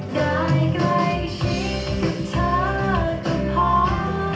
แต่บอกเธอดีบางครั้ง